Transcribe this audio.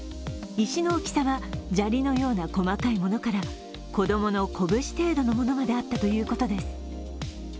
石の大きさは、砂利のような細かいものから子供のこぶし程度のものもあったということです。